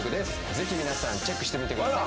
ぜひ皆さんチェックしてみてください